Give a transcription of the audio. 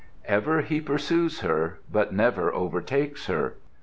Ever he pursues her but never overtakes her.